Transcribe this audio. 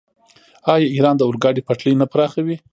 آیا ایران د اورګاډي پټلۍ نه پراخوي؟